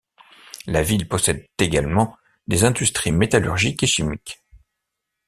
La ville possède également des industries métallurgiques et chimiques.